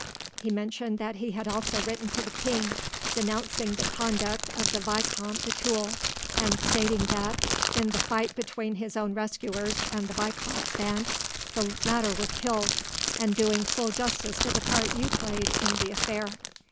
He mentioned that he had also written to the king, denouncing the conduct of the Vicomte de Tulle; and stating that, in the fight between his own rescuers and the vicomte's band, the latter was killed, and doing full justice to the part you played in the affair.